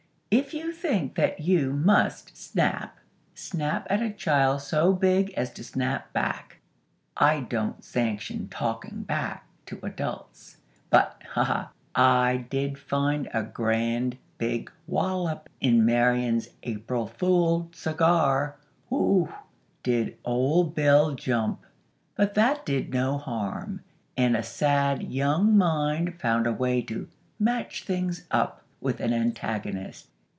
If you think that you must snap, snap at a child so big as to snap back. I don't sanction 'talking back' to adults, but, ha, ha! I did find a grand, big wallop in Marian's April Fool cigar! Woo! Did Old Bill jump!! But that did no harm, and a sad young mind found a way to 'match things up' with an antagonist.